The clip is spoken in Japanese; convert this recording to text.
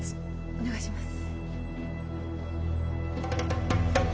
お願いします